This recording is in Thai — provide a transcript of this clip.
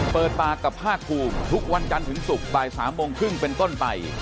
เปิดปากกับภาคภูมิทุกวันจันทร์ถึงศุกร์บ่าย๓โมงครึ่งเป็นต้นไป